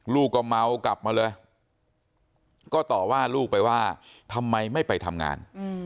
ลูกก็เมากลับมาเลยก็ต่อว่าลูกไปว่าทำไมไม่ไปทำงาน